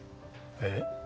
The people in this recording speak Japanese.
えっ？